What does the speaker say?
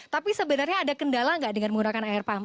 tapi sebenarnya ada kendala nggak dengan menggunakan air pam